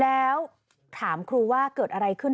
แล้วถามครูว่าเกิดอะไรขึ้น